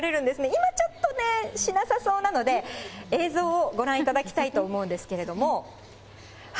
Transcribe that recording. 今ちょっとね、しなさそうなので、映像をご覧いただきたいと思うんですけれども。